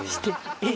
えっ？